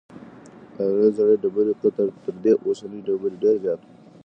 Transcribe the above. د هغې زړې ډبرې قطر تر دې اوسنۍ ډبرې ډېر زیات و.